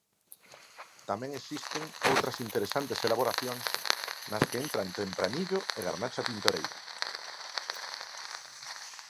Tamén existen outras interesantes elaboracións nas que entran tempranillo e garnacha tintoreira.